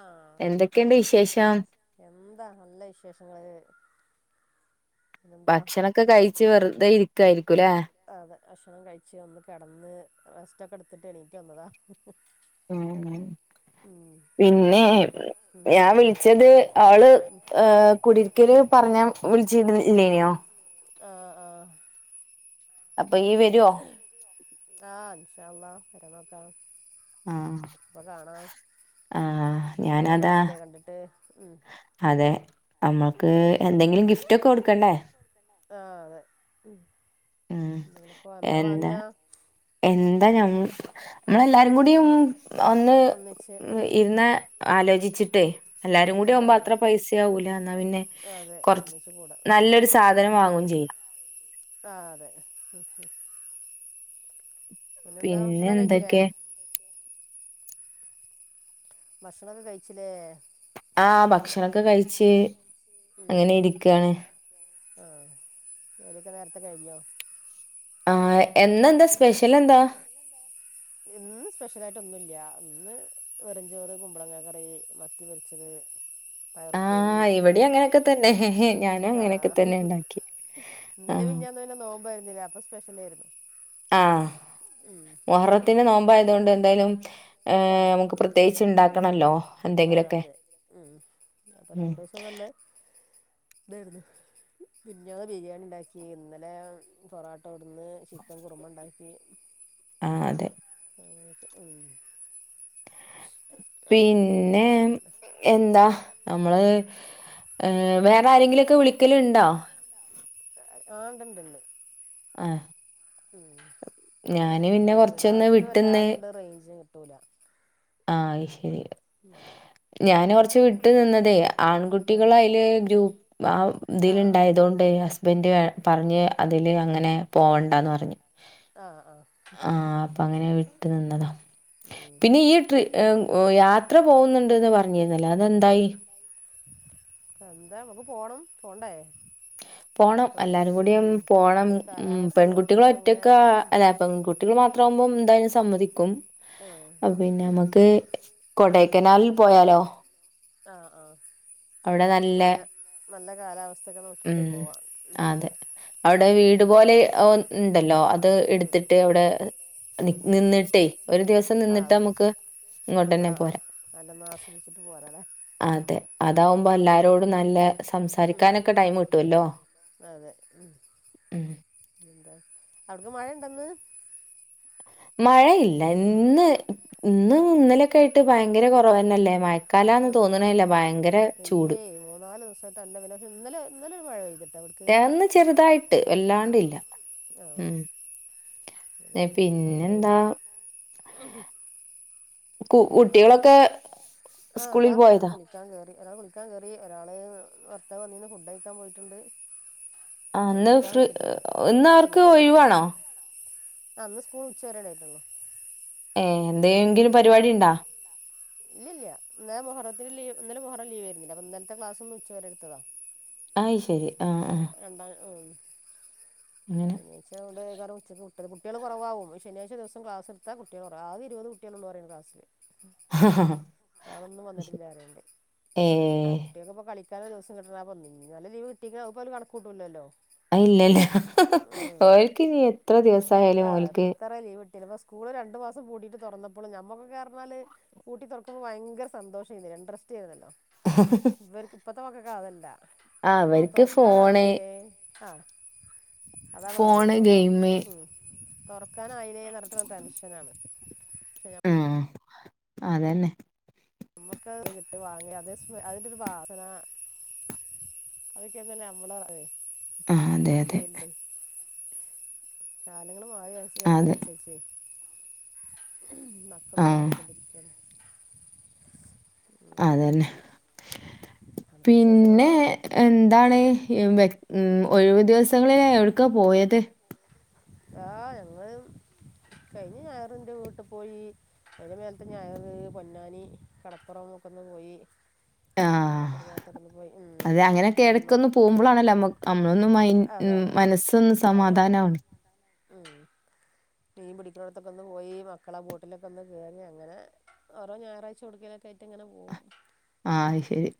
ആഹ് എന്തൊക്കെണ്ട് വിശേഷം എന്താ നല്ല വിശേഷങ്ങള് പിന്നെന്താ ഭക്ഷണൊക്കെ കഴിച്ച് വെറുതെ ഇരിക്കായിരിക്കുലേ അതെ അക്ഷണം കഴിച്ച് ഒന്ന് കെടന്ന് റെസ്റ്റൊക്കെട്ത്ത് എണീറ്റ് വന്നതാ ഉം പിന്നെ പിന്നെന്താ ഉം ഞാൻ വിളിച്ചത് ആള് ഏഹ് കുടരിക്കല് പറഞ്ഞ വിളിച്ചിട്ട്ഇല്ലേനോ ആഹ് ആഹ് അപ്പൊയ്യ് വരോ ആഹ് ഇന്ഷാ അള്ള വരന്നോക്കാം ആഹ് അപ്പൊ കാണാം ആഹ് കൊറെേ ഞാനതാ നാളായിലേ കണ്ടിട്ട് ഉം അതെ മ്മക്ക് എന്തെങ്കിലും ഗിഫ്റ്റ് ഒക്കെ കൊട് ആഹ് അതെ ഉം ഉ നിപ്പോ എന്താ വാങ്ങ എന്താ ഞമ്മ മ്മളെല്ലാരും കൂടിം ഒന്ന് ഒന്നിച്ച് ഉം ഇരുന്ന ആലോചിച്ചിട്ടേയ് എല്ലാരും കൂടി ആലോചിച്ചിട്ട് ആവുമ്പോ അങ്ങനെ അത്ര പൈസയാവൂല എന്നാൽ പിന്നെ അതെ കൊറ ഒന്നിച്ച് കൂടാ ഉം നല്ലൊരു സാധനം വാങ്ങുകയും ചെയ്യും. [inaudible] ആഹ് അതെ ഉം പിന്നെന്താ പിന്നെ ഭക്ഷണം കഴിച്ചില്ലേ എന്തൊക്കെ ഭക്ഷണക്കെ കഴിച്ചില്ലേ ആ ഭക്ഷണൊക്കെ കഴിച്ച് ഉം അങ്ങനെ ഇരിക്കാണ് ആഹ് പണ്യോക്കേ നേരത്തെ കഴിഞ്ഞോ ആ എന്നെന്താ സ്പെഷ്യൽ എന്താ എന്ത ഇന്ന് സ്പെഷ്യലായിട്ട് ഒന്നുല്ല ഇന്ന് വെറ്ഞ്ചോറ് കുമ്പളങ്ങാ കറി മത്തി പൊരിച്ചത് ആ പയറുപ്പേരി ഇവിടെ അങ്ങനെയൊക്കെ തന്നെ ഞാനും അങ്ങനെയൊക്കെ ആഹ് തന്നെ ഉണ്ടാക്കി ആ ഇന്നലെ വിഞ്ഞാന്നു നോമ്പായിരുന്നില്ലേ അപ്പൊ സ്പെഷ്യലായിരുന്നു. ആഹ് ഉം മുഹറത്തിന്റെ നോമ്പായതോണ്ട് എന്തായാലും ഏ നമുക്ക് പ്രത്യേകിച്ച് ഉണ്ടാക്കണല്ലോ ആ എന്തെങ്കിലുമൊക്കെ അതെ ഉം അപ്പൊ ഉം രണ്ടു ദിവസം നല്ല [inaudible] വെറുതെ മിനിഞ്ഞാന്ന് ബിരിയാണി ഉണ്ടാക്കി ഇന്നലെ പൊറോട്ട കൊടുന്ന് ഇന്ന് ചിക്കൻ കുറുമ ഉണ്ടാക്കി ആഹ് അതെ ഉം പിന്നെ എന്താ നമ്മള് ഏ ഹ് വേറെ ആരെങ്കിലോക്കെ വിളിക്കല് ഉണ്ടോ ആഹ് ഉണ്ട് ണ്ട് ആഹ് ഉം അങ്ങനെ ഞാന് അങ്ങട് പിന്നെ പുറത്തിറങ്ങിയത കൊറച്ചൊന്ന് അകത്ത് വിട്ട്ന്ന് വല്ലാതെ ഇങ്ങ് റേഞ്ച് കിട്ടൂല ആഹ് ശരി ഉം ഞാൻ കുറച്ച് വിട്ടു നിന്നതേ ആൺകുട്ടികൾ ആഹ് അയ്ല് ഗ്രൂപ്പ് ആ ഇതിൽ ആഹ് ഉണ്ടായത് ആഹ് കൊണ്ട് ഹസ്- ബൻഡ് പറഞ്ഞ് അതില് അങ്ങനെ പോവണ്ടന്ന് പറഞ്ഞു ആഹ് ആഹ് ആഹ് അപ്പൊ അങ്ങനെ വിട്ട് നിന്നതാണ് ഉം യാത്ര പോകുന്നുണ്ട്ന്ന് പറഞ്ഞിരുന്നല്ലോ അതെന്തായി ഉം എന്താ നമക്ക് പോണം പോണ്ടേ പോണം അപ്പ പിന്നെ എല്ലാരും കൂടിയ ഉം പോകണം നല്ലൊരു ഉം കാലാവസ്ഥ പെൺകുട്ടികളും നോക്കിയിട്ട് അങ്ങനെ ഒറ്റക്ക്‌ അല പെണ് കുട്ടികൾ മാത്രമാവുമ്പോ എന്തായും സമ്മതിക്കും ആഹ് പിന്നെ നമ്മക്ക് കൊടൈക്കനാലിൽ പോയാലോ? ആഹ് ആഹ് നല്ല നല്ല കാലാവസ്ഥയൊക്കെ നോക്കിട്ട് ഉം പോവാ ഉം ഒരുപോലെ ഉണ്ടല്ലോ അ അത് എടുത്തിട്ട് അവിടെ നി ഉം ഉം നിന്നിട്ടേ ഒരു ദിവസം ആഹ് നിന്നിട്ട് അതെ നമുക്ക് ഇങ്ങോട്ട് തന്നെ ആഹ് ആഹ് പോരാം നല്ലോണം ആസ്വദിച്ചിട്ട് പോരല്ലേ? അതെ അതാവുമ്പോ എല്ലാരോടും നല്ല സംസാരിക്കാനൊക്കെ ടൈം കിട്ടുവല്ലോ? ഉ എന്താ അവിട്ക്ക് മഴ ഉണ്ടോ ന്ന്? മഴയില്ല ഇന്ന് ഇന്ന് ഇന്നലൊക്കെ ആയിട്ട് ഭയങ്കര കുറവന്നല്ലേ മയ ആ ഇല്ലേ മൂന്നാല് ദിവസമായിട്ട് അല്ല പിന്നെ ഇന്നലെ ഇന്നലെ ഒരു മഴ പെയ്തിട്ട ഇവിടെ ന്ന് ചെറുതായിട്ട് വല്ലാണ്ടില്ല ഉം ഏ, ഇന്നിപ്പോന്തായ്യ്ന്നാ പിന്നെന്താ കു കുട്ടികളൊക്കെ ആഹ് സ്കൂളിൽ അദാഹ്ണ് പോയതാ? കുളിക്ക കുളിക്കാൻ കേറി ഒരാൾ കുളിക്കാൻ കേറി ഒരാളെ ഭർത്താവ് വന്നീന് ഫുഡ് കഴിക്കാൻ പോയിട്ടുണ്ട്. ആഹ് ഇന്ന് നിക്കാഹ് ഫ്രീ കഴിച്ചിട്ടുള്ളൂ. ഇന്ന് കല്യാണം അവർക്ക് കഴിഞ്ഞിട്ടില്ല. ഒഴിവാണോ? ആഹ് അന്ന് സ്കൂൾ ഉച്ച വരേ ഉണ്ടായിരുന്നൊള്ളു. ഏഹ് എന്തങ്കിലും പരിപാടി ഉണ്ടാ? ഇല്ലില്ല ഇന്നലെ മുഹറത്തിന് ലീവ് ഇന്നലെ മുഹറം ലീവ് ആരുന്നില്ല അപ്പൊ ഇന്നലത്തെ ക്ലാസ് ഇന്ന് ഉച്ചവരെ എടുത്തതാ. അയ് ശരി. ആഹ് അപ്പം ആഹ് രണ്ടാം ഉം അങ്ങനെ. [unintelligible] കുട്ടികള് കുറവാവും ശനിയാഴ്ച ദിവസം ക്ലാസ് എടുത്താ കുട്ടികള് കുറവവാ ആകെ ഇരുപത് കുട്ടികള് പറയാ ആ ഒന്നും വന്നിട്ടില്ലന്നറീണ്ണ്ട് ഏഹ് അയിറ്റക്ക് ഇപ്പൊ കളി [unintelligible] നല്ല ലീവ കിട്ടിക്കപ്പും കിട്ടൂല്ലല്ലോ? അത് ഇല്ലല്ല. ഉം ഓൽക്ക് ഇനി എത്ര ദിവസായാലും ഓൽക്ക് [unintelligible] സ്കൂള് രണ്ട് മാസം കൂടിയിട്ട് തുറന്നപ്പോള് നമ്മള് കാരണാല് കൂട്ടി തുറക്കുമ്പോ ഭയങ്കര സന്തോഷമായിരുന്ന് ഇൻട്രസ്റ്റ് ആയിരുന്നല്ലോ? [inaudible] ഇവർക്ക് ഇപ്പഴത്തെ വക്കൊക്കെ അതല്ല ആ അവർക്ക് ഫോണ് തുറക്കാനായില്ലേ ആഹ് അതാണ് പറയണത് ഫോണ് കേട്ട ഗെയിമ് ഉം തുറക്കാനായില്ലേന്ന് ഓർക്കുമ്പം ടെൻഷനാണ്. പക്ഷെ ഉം അതന്നെ നമുക്കത് കിട്ടി വാങ്ങി അത് അതിന്റെ ഒരു വാസന അതൊക്കെയന്നല്ല നമ്മള് അത് ആഹ് അതെ അതെ ഫീൽഡ്. കാലങ്ങള് മാറി അതെ വരുന്നതിനനുസരിച്ച് മക്കളും ആഹ് മാറിക്കൊണ്ടിരിക്കയാണ് അതന്നെ അവിടുത്തെ പിന്നെ വിശേഷങ്ങളോ എന്താണ്? ഉം ഒഴിവ് ദിവസങ്ങളില് എവിടേക്കാ പോയത്? ആഹ് ഞങ്ങള് കഴിഞ്ഞ ഞായറ് എന്റെ വീട്ടി പോയി. അതിന് മേലത്തെ ഞായറ് പൊന്നാനി കടപ്പുറം ഒക്കെയൊന്ന് പോയി. അത് ആഹ് പറഞ്ഞു ഇടുത്തോണ്ട് പോയി അതെ അങ്ങനെയൊക്കെ നിമാ എടക്കൊന്ന് പോകുമ്പളാണല്ലോ നമ്മ നമ്മളൊന്ന് മൈ ഉം അതാണ്. മനസ്സൊന്ന് അതെ സമാധാനാവണ് ഉം മീൻ പിടിക്കുന്നൊടത്തൊക്ക ഒന്ന് പോയി മക്കളെ ബോട്ടിലൊക്കെ ഒന്ന് കേറി അങ്ങനെ ഓരോ ഞായറാഴ്ച ഉടുക്കലൊക്കെ ആയിട്ട് ഇങ്ങനെ പോവും. ആഹ് ശരി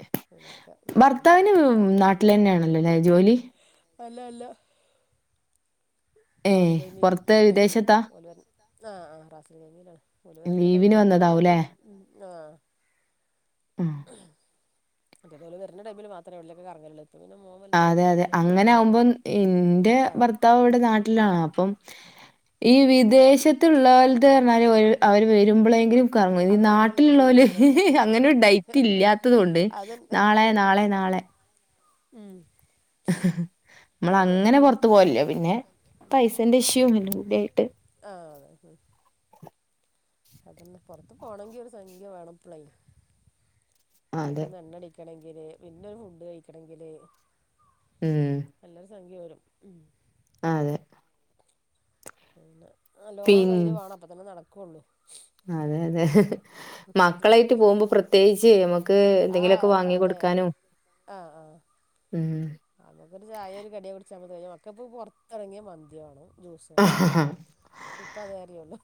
ഉം. ഭർത്താവിന് ഇതൊക്കെ നാട്ടിൽ വരേണ്ട ടൈം തന്നെയാണല്ലോ അല്ലെ ജോലി? അല്ല അല്ല ഏഹ് റാസൽ ഖൈമയില്. പൊറത്ത് വിദേശത്താ ഓല് ആഹ് ആഹ് റാസൽ ഖൈമയിലാണ് ഓല് വരണ്ട ലീവിന് ടൈമിൽ ഇങ്ങനെ വന്നതാവൂല്ലേ കറങ്ങും. ഉം ആഹ് ഉം മറ്റേപോലെ വരുന്ന ടൈമിൽ മാത്രമേ ഉള്ളെ കറങ്ങുള്ളു പിന്നെ മോന് വലുതായി അതെ അതെ അങ്ങനെ ജോലിയായപ്പോ പിന്നെ ആകുമ്പം എന്റെ ഭർ ആഹ് ഭർത്താവ് ഇവിടെ നാട്ടിലാണ് അപ്പം ഈ ഉം വിദേശ ത്തുള്ളന്ന് കാലത്ത് പറഞ്ഞാൽ അവര് വരുമ്പോളെങ്കിലും ആ വരുമ്പോള്ളൊരു നാട്ടിലുള്ള ഓല് ജീവിതല്ലേ ഉള്ളൂ അങ്ങനെ അതെ ഒരു ഡൈറ്റ് ഇല്ലാത്തതോണ്ട് അതന്നെ നാളെ നാളെ നാളെ [inaudible] ഉം നമ്മള് അതെ അങ്ങനെ പുറത്ത് പോവലില്ല പിന്നെ പൈസേന്റെ ഇഷ്യൂ ഇല്ല കൂടായിട്ട് ആഹ് അതന്ന് പുറത്ത് പോണമെങ്കി ഒരു സംഖ്യ വേണം ഇപ്പളേ അതെ. നമുക്കന്ന് എണ്ണട കഴിക്കണമെങ്കില് പിന്നെ ഒര് ഫുഡ് കഴിക്കണമെങ്കില് ഉം നല്ലൊരു സംഖ്യ വരും ഉം ആഹ് അതെ പിന്നെ ലോണും പിൻ കയ്യിൽ വേണം അപ്പം തന്നെ നടക്കുള്ളൂ അതെ അതെ മക്കളായിട്ട് പോകുമ്പം പ്രത്യേകിച്ച് നമുക്ക് എന്തെങ്കിലുമൊക്കെ ആഹ് വാങ്ങി അതെ കൊടുക്കാനും ആഹ് ആഹ് ഉം നമുക്കൊരു ചായയോ ഒരു കടിയോ കുടിച്ചാ മതി മക്കക്ക് പുറത്തിറങ്ങിയാ മന്തി വേണം ജൂസാള് ഉം. ഇപ്പതെഅറിയുള്ളൂ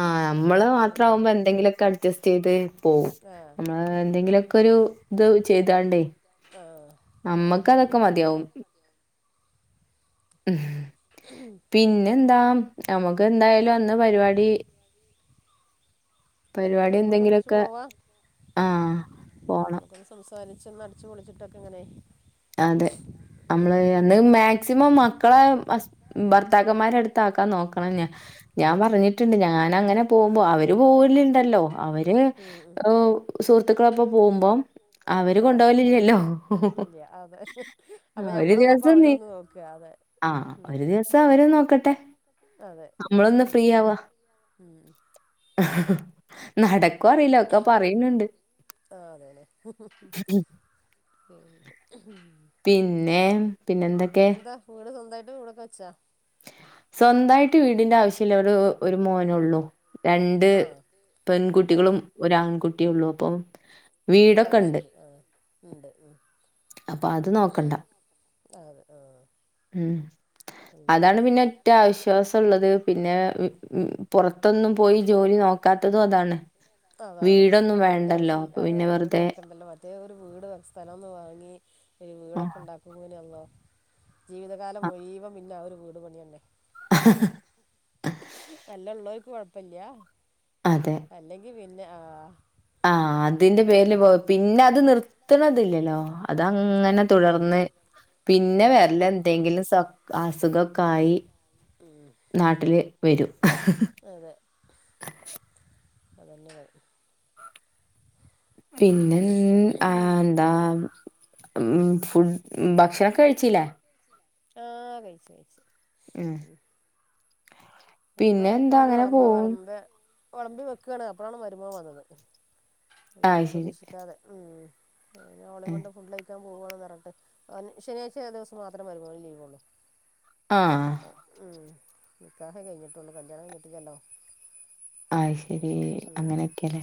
ആഹ് നമ്മള് മാത്രാവുമ്പോ എന്തെങ്കിലോക്കെ അഡ്ജസ്റ്റെയ്ത് പോവും ആ നമ്മള് പോവും എന്തെങ്കിലോക്കെരു ഇത് ചെയ്താണ്ടേ ആ ഓലേറ്റ് അത് നമ്മക്കതൊക്കെ നടക്കൂല മതിയാവും ഉം പിന്നെന്താ നമുക്കെന്തായാലും അന്ന് പരിപാടി പരിപാടി പരിപാടിക്ക് നമുക്ക് ഒന്നിച്ച് എന്തെങ്കിലോക്കെ പോവാം ആഹ് പോണം സംസാരിച്ച് അടിച്ച് പൊളിച്ചിട്ടൊക്കെ ഇങ്ങനെ അതെ ആ നമ്മള് ഉം അന്ന് മാക്സിമം അ മക്കളെ ഹസ് ഭർത്താക്കന്മാരടുത്താക്കാൻ നോക്കണം ഞാ ഞാൻ പറഞ്ഞി ട്ട്ണ്ട് ഞാനങ്ങനെ പോവുമ്പോ അവര് പോവലുണ്ടല്ലോ അവര് ഉം ഉം സുഹൃത്തുക്കളൊപ്പ പോകുമ്പോ അവര് ആ കൊണ്ടുപോകലില്ലല്ലോ ഇല്ല അതെ അപ്പൊ ഞമ്മള് പോവുമ്പോ നീ അവരോന്ന് നോക്ക അതെ ആഹ് ഒരു ദിവസം അവര് നോക്കട്ടെ അതെ ഉം നമ്മളൊന്ന് ഫ്രീയാവാ ഉം നടക്കോ അറിയില്ല ഒക്കെ പറയ്ണണ്ട് ആ അതെല്ലേ [unintelligible] പിന്നെ പിന്നെന്തൊ എന്താ വീട് സ്വന്തായിട്ട് വീടൊക്കെ വെച്ചാ സ്വന്തായിട്ട് വീടിന്റെ ആവശ്യല്ല ഒരു ഒരു മോനോള്ളൂ രണ്ട് ആ ആഹ് പെൺകുട്ടികളും ഒരാൺകുട്ടിയുള്ളു അപ്പം വീടൊക്കെണ്ട്. അത്ശെരി ആഹ് ഉണ്ട് ഉം അപ്പത് നോക്കണ്ട അതെ ആഹ് ഉം നല്ലത് അതാണ് പിന്നെ ഒറ്റാശ്വാസൊള്ളത് പിന്നെ പുറത്തൊന്നും പോയി ജോലി നോക്കാത്തതും അതാണ് അതാണ് വീടൊന്നും വീടിന്റെ വേണ്ടല്ലോ. ആവശ്യം അപ്പൊ അതെ പിന്നെ വീട് വെറുതെ വെക്കേണ്ടല്ലോ മറ്റെ ഒരു വീട് സ്ഥലോന്ന് വാങ്ങി ഒരു ആഹ് വീടൊക്കെണ്ടാക്കു [unintelligible] ജീവിതകാലം മുഴീവൻ ആ ഒരു വീടു പണിയെന്നെ നല്ലെള്ളോര്ക്ക് കൊഴപ്പില്ല അതെ അല്ലെങ്കി പിന്നെ ആഹ് ആഹ് അതിന്റെ പേരില് പോ പിന്നെ അത് നിർത്ത്ണതില്ലല്ലോ അതങ്ങനെ ഇല്ല തുടർന്ന് ഉം പിന്നെ തുടർന്നങ്ങനെ പോകും ഉം വേരലെന്തെങ്കിലും അസുഗോക്കായി ഉം നാട്ടില് വരും അതെ അതെന്നെ പിന്നെ ആഹ് ന്താ ഉം ഫു ഭക്ഷണോകഴിച്ചില്ലേ ആഹ് കഴിച് കഴിച് ഉം ഭക്ഷണം പിന്നെ കഴിക്കാൻ എന്താ വേണ്ടി അങ്ങനെ വിളമ്പ പോവും വിളമ്പ വെളമ്പി വെക്കാണ് അപ്പോഴാണ് മരുമോൻ വന്നത് അതെ ആഹ് ശരി പ്രതീക്ഷിക്കാതെ ഉം ഇന്നവളേം കൊണ്ട് ഫുഡ് കഴിക്കാൻ പോവാണ്നാറിഞ്ട്ട് ശനിയാഴ്ച ദിവസം മാത്രേ മരുമോന് ലീവ്ള്ളൂ ആഹ് അപ്പഉം നിക്കാഹെ കഴിഞ്ഞിട്ടുള്ളു കല്യാണം കഴിഞ്ഞിട്ടില്ലല്ലോ അത്ശേരി അപ്പം ഉം അങ്ങനെയൊക്കെല്ലെ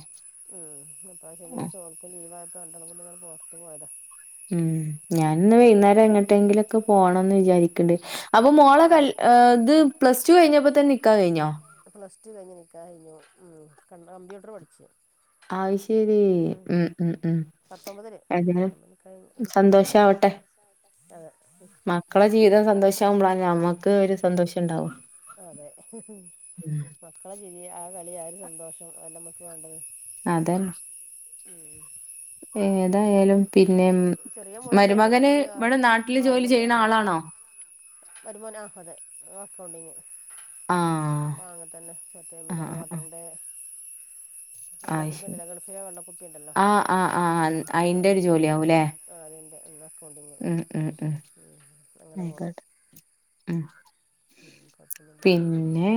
ഉം ഇന്നിപ്പ ശനിയാഴ്ച ഓന്ക്കും ലീവായപ്പോ രണ്ടാളും കൂടി ഇങ്ങനെ പുറത്തു പോയതാ ഉം ഞാനിന്ന് വൈന്നേരം എങ്ങട്ടെങ്കിലൊക്കെ പോണംന്ന് വിചാരിക്കണ്ട് അപ്പൊ മോളെ ആ കൽ ഇത് പ്ലസ് ടു കഴിഞ്ഞപ്പോ തന്നെ നിക്കാഹഴിഞ്ഞോ പ്ലസ് ടു കഴിഞ്ഞ നിൽക്ക കഴിഞ്ഞു ക കമ്പ്യൂട്ടർ പഠിച്ച് ആശരി ഉം ഉം ഉ പത്തൊമ്പതിന് പത്തൊമ്പതി കഴഞ് സന്തോഷാവട്ടെ അതെ മക്കളെ ജീവിതം സന്തോഷമാവുമ്പോള നമ്മുക്ക് ഒരു സന്തോഷം ഉണ്ടാവും അതെ മക്കളെ ചിതി ആ കളി ആ ഒരു സന്തോഷം അല്ലമ്മക്ക് വേണ്ടത് അതന്നെ ഉം ഏതായാലും പിന്നെ അതങ്ങനെ ചെറിയ മോളുണ്ട് മോന് മരുമകന് ഇനി ഇവിടെ നാട്ടില് ജോലി ചെയ്യണ ആളാണോ വരുമാോന ആ അതെ ക്കൗണ്ടി ആഹ് ാങ്ങ തന്നെ മറ്റേ ആഹ് മിനറൽ ആഹ് ആഹ് വാട്ടറിന്റെ അത് വെള്ളക്കുപ്പി ശരി ഉണ്ടല്ലോ ഗണഫില വെള്ളക്കുപ്പി ഉണ്ടല്ലോ ആഹ് ആഹ് ആഹ് അയിന്റെ അത ഒരു ജോലിയാവൂല്ലേ ആ അതെൻ്റെ ഒന്ന് അക്കൗണ്ടിങ്ങ ഉം ഉം ഉം അങ്ങനെ പോണം ആയിക്കോട്ടെ ഉം കുഴപ്പമൊന്നുമില്ല പിന്നെ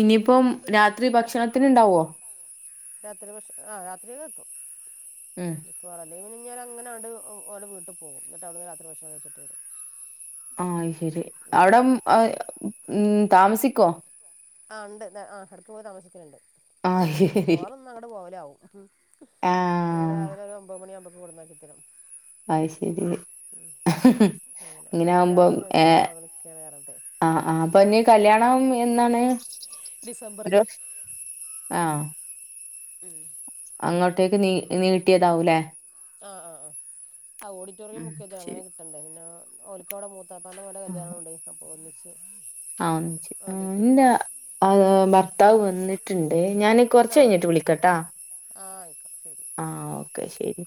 ഇനിയിപ്പം രാത്രി ഭക്ഷണത്തിന് ഉണ്ടാവുവോ രാത്രി പക്ഷെ ആഹ രാത്രി എത്തു ഉം എനിക്ക് പറല്ലേ പിന്നഴിഞ്ഞാ അങ്ങനാണ്ട് ഓടെ വീട്ടിൽ പോകും എന്നിട്ട് അവിടുന്ന് രാത്രി പ്രശം വെച്ചിട്ട് വരും ആഹ ശരി അവിട ഉ ആ ഉണ്ട് ആ ഇടക്ക് പോയി താമസിക്കുന്നുണ്ട് ആഹ് ചപ്പോ ശരി മിക്കവാറും ഞങ്ങുടെ പോല ആകും പി ആഹ് രാവിലെ ഒരു ഒമ്പത് മണിയാവുമ്പോൾക്ക്വിടുന്നക്കിത്തരും പായ ചെയതിൾ ഉ അങ്ങനെ അപ്പൊ ഞാൻ രാത്രി മെസ്സേജ് വരാ അവിടെ നിൽക്കൻ വേറണ്ട്െ ആ ആ അപ്പൊ ഇീ കല്യാണം എന്താണ് ഡിസംബറിൽ ആഹ ഉം അങ്ങോട്ടേക്ക് നീ നീട്ടിയതാവൂല്ലേ ആ ആ ആ ഓഡിറ്റോറിയം ഉം ബുക്ക് ചെയ്ത അങ്ങനെ ശരി കിട്ടണ്ടേ പിന്നെ ഓലിക്ക അവിടെ പപ്പണ്ട കടെ കല്യാണംുണ്ട് അപ്പോൾ ഒന്നിച്ച് ആ വേണ്ടിയിട്ടേ എന്റെ ഭർത്താവ് വന്നിട്ടുണ്ട് ഞൻ ആ കുറച്ച് കഴിഞ്ഞിട്ട് വിളിക്കട്ടാ ആ ആയിക്കാം ശരി ആ ഓക്കെ ശരി